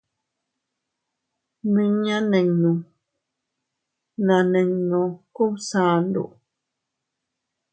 Miña ninnu na nino Kubsandu.